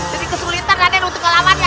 jadi kesulitan raden untuk melawan ya